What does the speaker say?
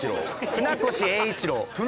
船越英一郎。